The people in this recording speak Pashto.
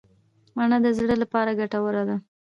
مڼه د زړه لپاره ګټوره ده.